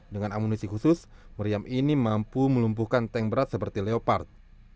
dengan amunisi khusus meriam ini mampu melumpuhkan tank berat seperti leopard